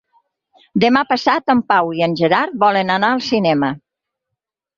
Demà passat en Pau i en Gerard volen anar al cinema.